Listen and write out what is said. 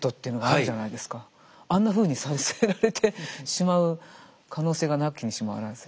あんなふうにさせられてしまう可能性がなきにしもあらず。